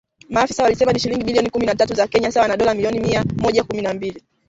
Maafisa walisema ni shilingi bilioni kumi na tatu za Kenya sawa na dola milioni mia moja kumi na mbili.